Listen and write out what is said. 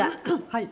はい。